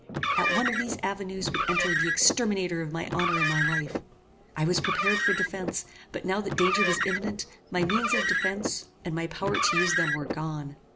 At one of these avenues would enter the exterminator of my honor and my life. I was prepared for defence; but now that danger was imminent, my means of defence, and my power to use them were gone.